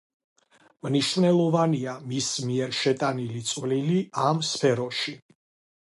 მნიშვნელოვანია მის მიერ შეტანილი წვლილი ამ სფეროში.